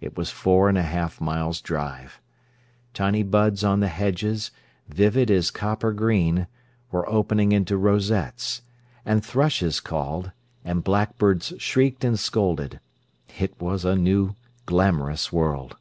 It was four and a half miles' drive. Tiny buds on the hedges, vivid as copper green, were opening into rosettes; and thrushes called, and blackbirds shrieked and scolded. It was a new, glamorous world.